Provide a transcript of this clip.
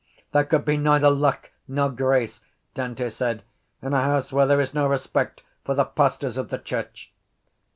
—There could be neither luck nor grace, Dante said, in a house where there is no respect for the pastors of the church.